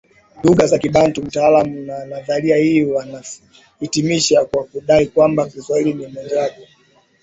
lugha za kibantu Wataalamu wa nadharia hii wanahitimisha kwa kudai kwamba Kiswahili ni mojawapo